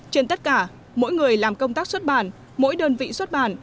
trên tất cả mỗi người làm công tác xuất bản mỗi đơn vị xuất bản